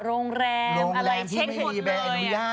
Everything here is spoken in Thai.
โรงแรมอะไรเช็คหมดเลย